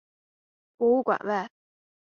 博物馆外